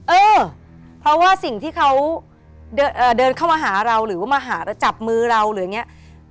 เออเพราะว่าสิ่งที่เขาเดินเข้ามาหาเราหรือว่ามาหาแล้วจับมือเราหรืออย่างนี้